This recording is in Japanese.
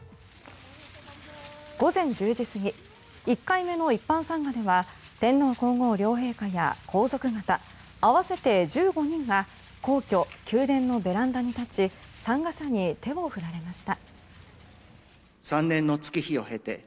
午前１０時過ぎ１回目の一般参賀では天皇・皇后両陛下や皇族方合わせて１５人が皇居・宮殿のベランダに立ち参賀者に手を振られました。